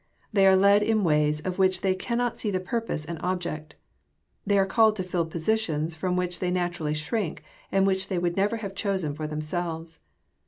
They are led in waysof^^Stefa they cannot see the purpose and object; they are called to fill positions from which they naturally shrink, and which they would never have chosen for themselves.